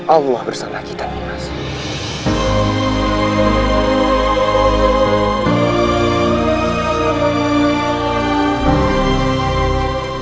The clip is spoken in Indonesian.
allah bersama kita nimas